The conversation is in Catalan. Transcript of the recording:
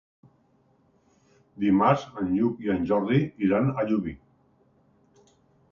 Dimarts en Lluc i en Jordi iran a Llubí.